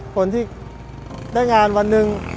คนที่ได้งานวันหนึ่ง